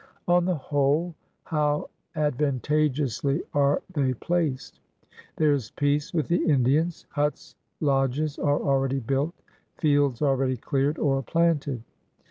On the whole how advantageously are they placed! There is peace with the Indians. Huts, lodges, are already built, fields already cleared or planted.